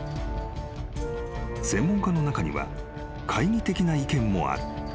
［専門家の中には懐疑的な意見もある］